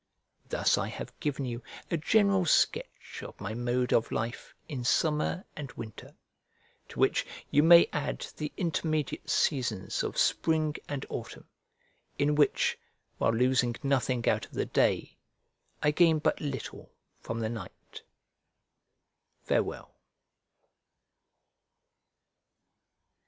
Thus I have given you a general sketch of my mode of life in summer and winter; to which you may add the intermediate seasons of spring and autumn, in which, while losing nothing out of the day, I gain but little from the night. Farewell.